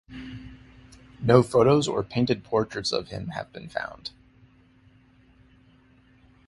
No photos or painted portraits of him have been found.